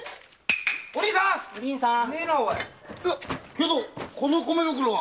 けどこの米袋は。